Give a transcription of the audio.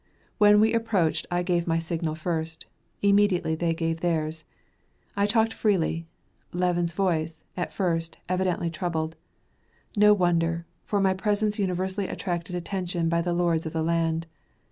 When we approached, I gave my signal first; immediately they gave theirs. I talked freely. Levin's voice, at first, evidently trembled. No wonder, for my presence universally attracted attention by the lords of the land.